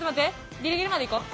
ギリギリまで行こう。